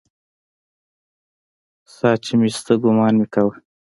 ساه چې مې اخيستله ګومان مې کاوه.